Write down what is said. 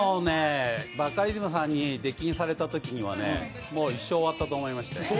バカリズムさんに出禁にされたときにはね、もう一生終わったと思いましたよ。